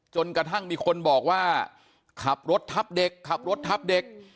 จนกระทั่งมีคนบอกว่าขับรถทับเด็กขับรถทับเด็ก